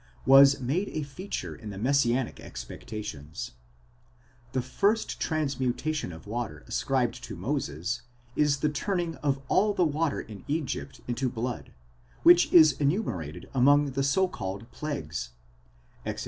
was made a feature in the messianic expectations ;*°—the first transmutation of water ascribed to Moses, is the turning of all the water in Egypt into blood, which is enumerated among the so called plagues (Exod.